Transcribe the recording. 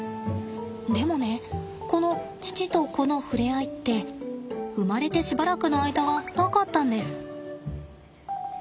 でもねこの父と子の触れ合いって生まれてしばらくの間はなかったんです。